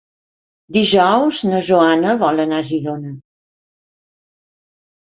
Dijous na Joana vol anar a Girona.